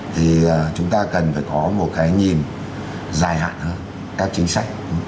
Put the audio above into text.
thì chúng ta cần phải có một cái nhìn dài hạn hơn các chính sách